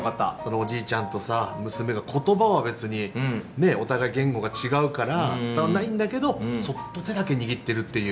おじいちゃんとさ娘が言葉は別にねっお互い言語が違うから伝わんないんだけどそっと手だけ握ってるっていう。